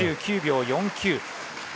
４９秒４９。